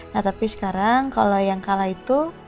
nah tapi sekarang kalau yang kalah itu